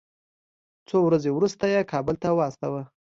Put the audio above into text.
څو ورځې وروسته یې کابل ته واستاوه.